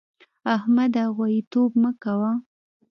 احمده! غواييتوب مه کوه.